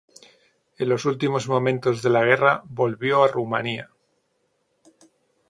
En los últimos momentos de la guerra volvió a Rumanía.